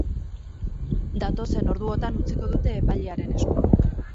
Datozen orduotan utziko dute epailearen esku.